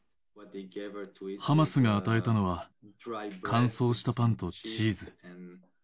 ハマスが与えたのは、乾燥したパンとチーズ。